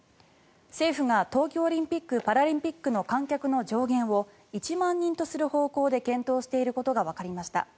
政府が東京オリンピック・パラリンピックの観客の上限を１万人とする方向で検討していることがわかりました。